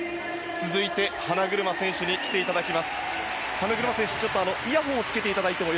続いて、花車選手に来ていただきます。